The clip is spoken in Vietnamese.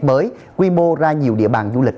mới quy mô ra nhiều địa bàn du lịch